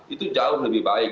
itu jauh lebih baik